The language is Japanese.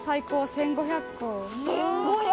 １５００！